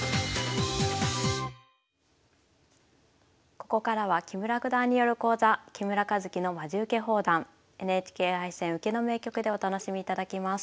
ここからは木村九段による講座「木村一基のまじウケ放談ＮＨＫ杯戦・受けの名局」でお楽しみいただきます。